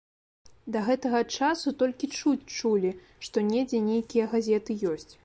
Да гэтага часу толькі чуць чулі, што недзе нейкія газеты ёсць.